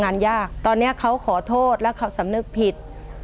งานยากตอนนี้เขาขอโทษแล้วเขาสำนึกผิด